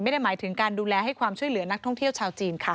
ไม่ได้หมายถึงการดูแลให้ความช่วยเหลือนักท่องเที่ยวชาวจีนค่ะ